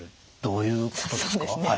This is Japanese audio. どういうことですか？